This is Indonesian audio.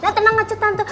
nah tenang aja tante